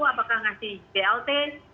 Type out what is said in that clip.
apakah ngasih blt